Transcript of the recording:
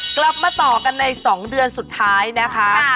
กลับมาต่อกันใน๒เดือนสุดท้ายนะคะ